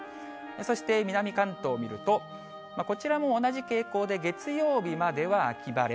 そして南関東見ると、こちらも同じ傾向で、月曜日までは秋晴れ。